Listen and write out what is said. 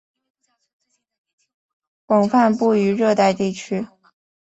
广泛布于热带地区。